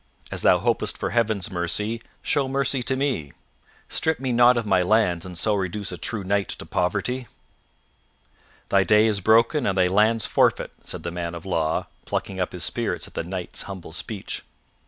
"As thou hopest for Heaven's mercy, show mercy to me. Strip me not of my lands and so reduce a true knight to poverty." "Thy day is broken and thy lands forfeit," said the man of law, plucking up his spirits at the Knight's humble speech.